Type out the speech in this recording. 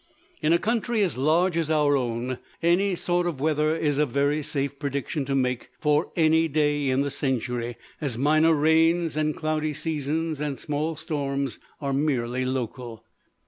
In a country as large as our own, any sort of weather is a very safe prediction to make for any day in the century, as minor rains and cloudy seasons and small storms are merely local.